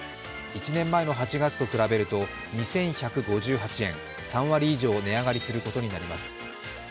７１年前の８月と比べると２１５８円、３割以上、値上がりすることになります。